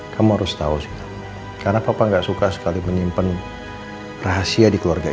kamu harus tahu sih karena papa nggak suka sekali menyimpan rahasia di keluarga itu